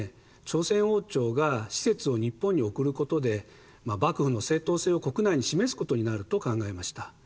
朝鮮王朝が使節を日本に送ることで幕府の正当性を国内に示すことになると考えました。